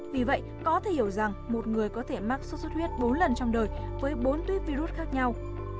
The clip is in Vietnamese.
vì vậy có thể hiểu rằng một người có thể mắc sốt xuất huyết bốn lần trong đời với bốn tuyết virus khác nhau